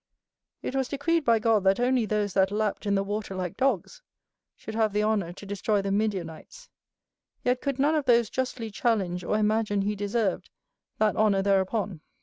It was decreed by God that only those that lapped in the water like dogs, should have the honour to destroy the Midianites; yet could none of those justly challenge, or imagine he deserved, that honour thereupon.